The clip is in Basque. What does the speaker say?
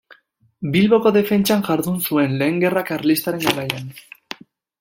Bilboko defentsan jardun zuen, Lehen Gerra Karlistaren garaian.